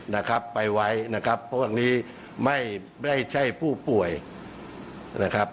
นะครับไปไว้นะครับเพราะว่านี้ไม่ไม่ใช่ผู้ป่วยนะครับ